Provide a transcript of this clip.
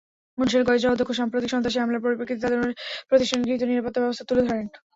অনুষ্ঠানে কয়েকজন অধ্যক্ষ সাম্প্রতিক সন্ত্রাসী হামলার পরিপ্রেক্ষিতে তাঁদের প্রতিষ্ঠানে গৃহীত নিরাপত্তাব্যবস্থা তুলে ধরেন।